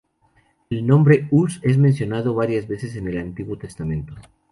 El nombre Uz es mencionado varias veces en el Antiguo Testamento.